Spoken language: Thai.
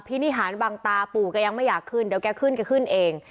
นิหารบังตาปู่แกยังไม่อยากขึ้นเดี๋ยวแกขึ้นแกขึ้นเอง